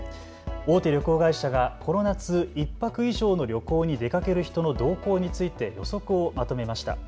大手旅行会社がこの夏１泊以上の旅行に出かける人の動向について予測をまとめました。